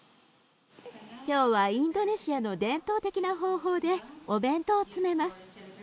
今日はインドネシアの伝統的な方法でお弁当を詰めます。